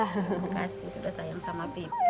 terima kasih sudah sayang sama bip